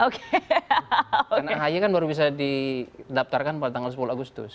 karena ahy kan baru bisa didaptarkan pada tanggal sepuluh agustus